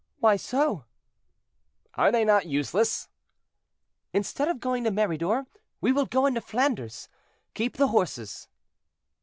"Why so?" "Are they not useless?" "Instead of going to Meridor, we will go into Flanders. Keep the horses."